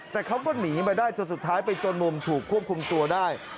แต่เขาก็หนีมาได้จนสุดท้ายไปจนมุมถูกควบคุมตัวได้